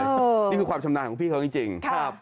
นี่คือความชำนาญของพี่เขาจริง